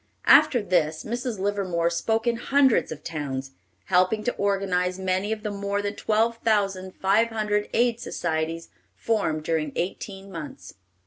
After this, Mrs. Livermore spoke in hundreds of towns, helping to organize many of the more than twelve thousand five hundred aid societies formed during eighteen months.